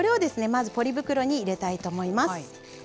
まずポリ袋に入れたいと思います。